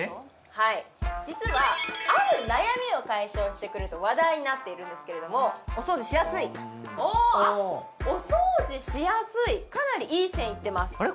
はい実はある悩みを解消してくれると話題になっているんですけれどもお掃除しやすいおあっお掃除しやすいかなりいい線いってますあれ？